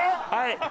はい。